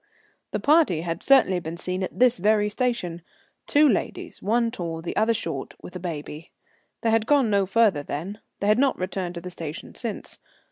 The party had certainly been seen at this very station. Two ladies, one tall, the other short, with a baby. They had gone no further then; they had not returned to the station since.